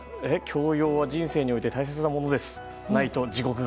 教養は人生において大切なものです。